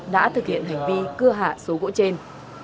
đã thực hiện hành vi cưa hạ số gỗ trên